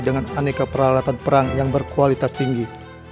dengan aneka peralatan perang yang berkualitas tinggi